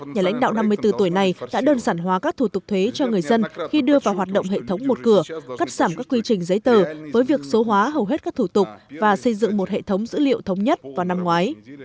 nhà lãnh đạo năm mươi bốn tuổi này đã đơn giản hóa các thủ tục thuế cho người dân khi đưa vào hoạt động hệ thống một cửa cắt giảm các quy trình giấy tờ với việc số hóa hầu hết các thủ tục và xây dựng một hệ thống dữ liệu thống nhất vào năm ngoái